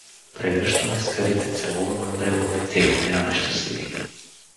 Прегръщаме скалите, целуваме бреговете и умираме щастливи.